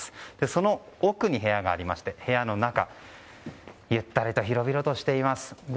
その奥に部屋がありまして部屋の中はゆったり広々としています。